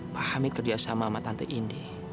pak hamid kerja sama sama tante indi